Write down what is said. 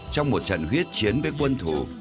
trong một trận huyết chiến với quân thủ